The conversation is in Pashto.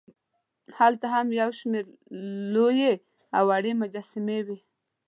هلته هم یوشمېر لوې او وړې مجسمې وې.